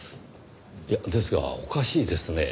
いやですがおかしいですねぇ。